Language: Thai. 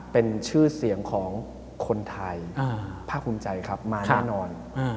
เป็นชื่อเสียงของคนไทยภาคภูมิใจครับมาแน่นอน